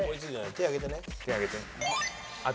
手挙げて。